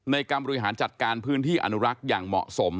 ในการบริหารจัดการพื้นที่อนุรักษ์อย่างเหมาะสม